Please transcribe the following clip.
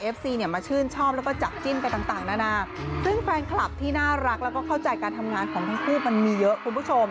แฟนคลับที่น่ารักแล้วก็เข้าใจการทำงานของทั้งคู่มันมีเยอะคุณผู้ชม